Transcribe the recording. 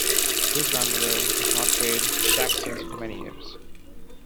His grandmother has not paid her taxes for many years.